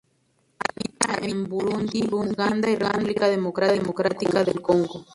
Habita en Burundi, Uganda y República Democrática del Congo.